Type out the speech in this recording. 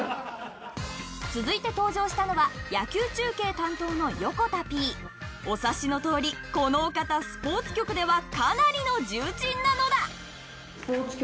続いて登場したのはお察しのとおりこのお方スポーツ局ではかなりの重鎮なのだ！